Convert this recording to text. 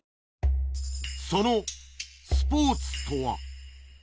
そのスポーツとは